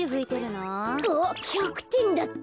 あっ１００てんだった。